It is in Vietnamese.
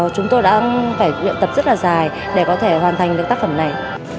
chúng tôi đã phải luyện tập rất là dài để có thể hoàn thành được tác phẩm này